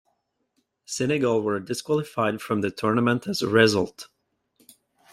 Senegal were disqualified from the tournament as a result.